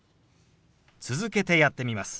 続けてやってみます。